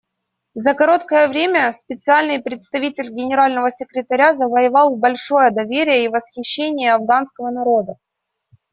За короткое время Специальный представитель Генерального секретаря завоевал большое доверие и восхищение афганского народа.